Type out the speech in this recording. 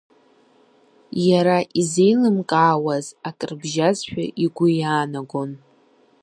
Иара изеилымкаауаз ак рыбжьазшәа игәы иаанагон.